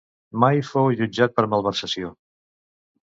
Mai fou jutjat per malversació.